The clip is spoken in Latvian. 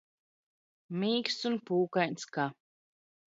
M?ksts un p?kains ka